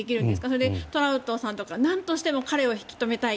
それでトラウトさんとかなんとしても彼を引き留めたい。